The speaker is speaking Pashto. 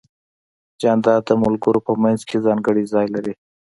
جانداد د ملګرو په منځ کې ځانګړی ځای لري.